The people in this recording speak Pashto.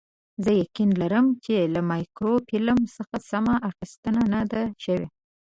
زه یقین لرم چې له مایکروفیلم څخه سمه اخیستنه نه ده شوې.